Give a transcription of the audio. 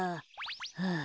ああ。